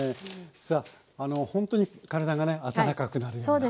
さあほんとに体がね温かくなるようなそんなお料理。